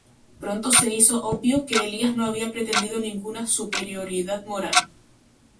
Pronto se hizo obvio que Elías no había pretendido ninguna "superioridad" moral.